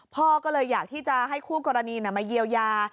พ่อก็เลยอยากที่จะให้คู่กรณีมาเยียวยา